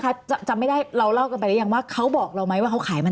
ถ้าจำไม่ได้เราเล่ากันไปหรือยังว่าเขาบอกเราไหมว่าเขาขายไหม